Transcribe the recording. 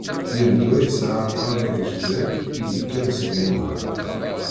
Yal ddwa yesɛa "Aɛeqqar agejdan" id-yekkan seg imɣan.